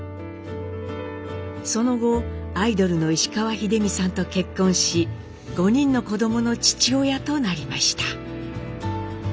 その後アイドルの石川秀美さんと結婚し５人の子どもの父親となりました。